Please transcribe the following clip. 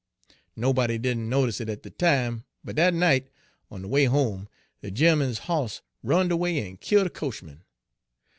Nobody didn' notice it at de time, but dat night, on de way home, de gemman's hoss runned away en kill' de coachman.